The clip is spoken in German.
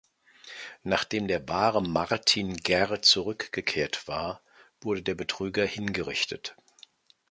Nachdem der wahre Martin Guerre zurückgekehrt war, wurde der Betrüger hingerichtet.